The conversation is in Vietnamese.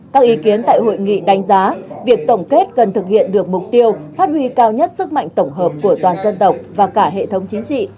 các ý kiến tại hội nghị đánh giá việc tổng kết cần thực hiện được mục tiêu phát huy cao nhất sức mạnh tổng hợp của toàn dân tộc và cả hệ thống chính trị